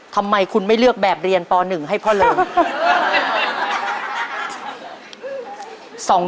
ทำไมคุณไม่เลือกแบบเรียนป๑ให้พ่อเริง